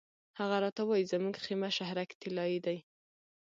هغه راته وایي زموږ خیمه شهرک طلایي دی.